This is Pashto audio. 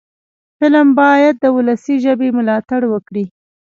فلم باید د ولسي ژبې ملاتړ وکړي